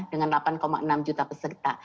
dengan delapan enam juta peserta